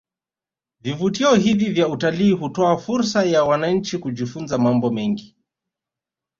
Vivutio hivi vya utalii hutoa fursa ya wananchi kujifunza mambo mengi